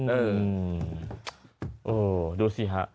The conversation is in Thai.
อืมโอ้ดูสิฮะ